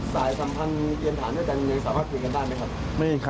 สายสัมพันธ์เตรียมฐานยังสามารถถือกันได้ไหมครับ